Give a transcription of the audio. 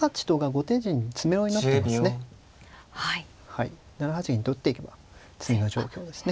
はい７八銀と打っていけば詰みの状況ですね。